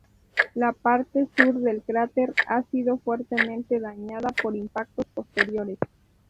La parte sur del cráter ha sido fuertemente dañada por impactos posteriores.